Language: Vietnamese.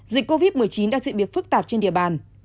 dịch covid một mươi chín đang diễn biến phức tạp trên địa bàn